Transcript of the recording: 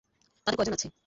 তাদের কয়জন আছে?